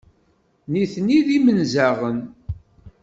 Nitni d imenzaɣen.